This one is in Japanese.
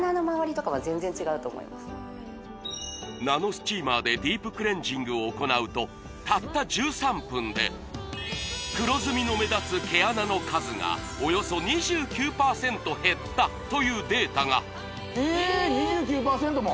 ナノスチーマーでディープクレンジングを行うとたった１３分で黒ずみの目立つ毛穴の数がおよそ２９％減ったというデータがえー２９％も！